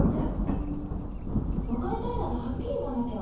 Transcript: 別れたいならはっきり言わなきゃ。